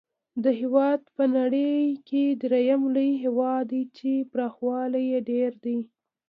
دا هېواد په نړۍ کې درېم لوی هېواد دی چې پراخوالی یې ډېر دی.